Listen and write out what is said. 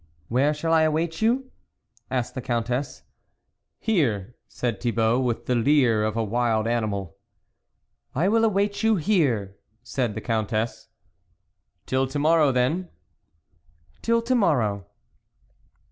" Where shall I await you ?" asked the Countess." " Here," said Thibault, with the leer of a wild animal. " I will await you here," said the Countess. " Till to morrow then." " Till to morrow."